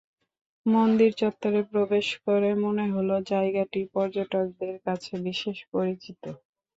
মন্দির চত্বরে প্রবেশ করে মনে হলো, জায়গাটি পর্যটকদের কাছে বিশেষ পরিচিত।